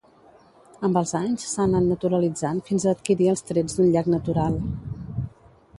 Amb els anys, s’ha anat naturalitzant fins a adquirir els trets d’un llac natural.